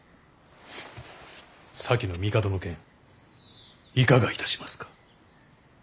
先の帝の件いかがいたしますか。